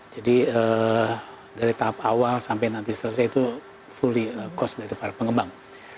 jadi dari tahap awal sampai nanti selesai itu fully cost dari para pengembang